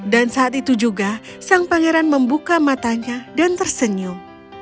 dan saat itu juga sang pangeran membuka matanya dan tersenyum